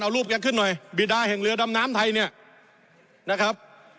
เอารูปแกขึ้นหน่อยบีดาแห่งเรือดำน้ำไทยเนี่ยนะครับ